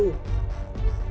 cơ quan công tố